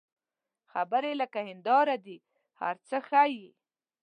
خبرې لکه هنداره دي، هر څه ښيي